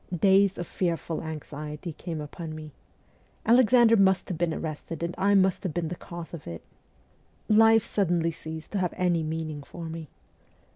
Days of fearful anxiety came upon me. Alexander must have been arrested, and I must have been the cause of it ! Life suddenly ceased to have any meaning for me.